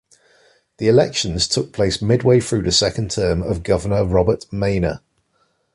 The elections took place midway through the second term of Governor Robert Meyner.